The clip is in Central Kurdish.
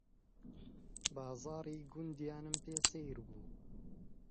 بازاڕی گوندیانم پێ سەیر بوو